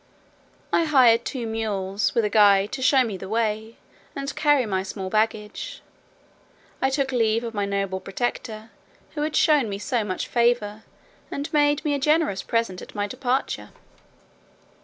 I hired two mules, with a guide, to show me the way, and carry my small baggage. I took leave of my noble protector, who had shown me so much favour, and made me a generous present at my departure.